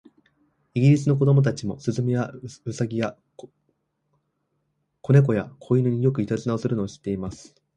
イギリスの子供たちも、雀や、兎や、小猫や、小犬に、よくいたずらをするのを知っています。そこで、私は主人の前にひざまずいて